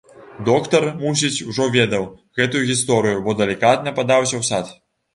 Доктар, мусіць, ужо ведаў гэтую гісторыю, бо далікатна падаўся ў сад.